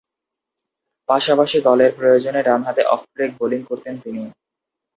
পাশাপাশি দলের প্রয়োজনে ডানহাতে অফ ব্রেক বোলিং করতেন তিনি।